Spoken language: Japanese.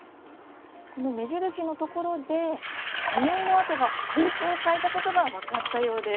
目印のところでにおいの跡が方向を変えたことが分かったようです。